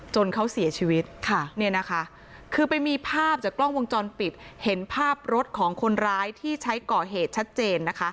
เขาเสียชีวิตค่ะเนี่ยนะคะคือไปมีภาพจากกล้องวงจรปิดเห็นภาพรถของคนร้ายที่ใช้ก่อเหตุชัดเจนนะคะ